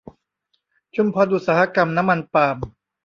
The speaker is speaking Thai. ชุมพรอุตสาหกรรมน้ำมันปาล์ม